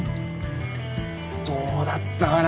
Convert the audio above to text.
どうだったかな